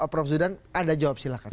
prof zudan anda jawab silahkan